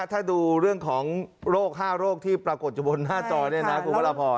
ถ้าดูเรื่องของโรค๕โรคที่ปรากฏจุบนหน้าจอยเนี่ยนะครับ